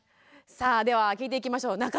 さあでは聞いていきましょう。